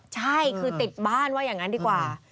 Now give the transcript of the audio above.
ใช่คือติดบ้านว่าอย่างนั้นดีกว่า